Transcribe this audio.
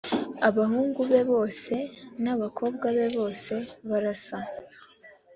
abahungu be bose n’abakobwa be bose barasa